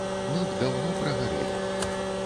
Мы б даўно прагарэлі.